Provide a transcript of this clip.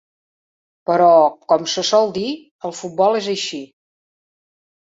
Però, com se sol dir, el futbol és així.